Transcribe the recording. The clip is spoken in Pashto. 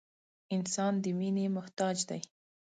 • انسان د مینې محتاج دی.